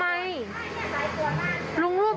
เดี๋ยวให้กลางกินขนม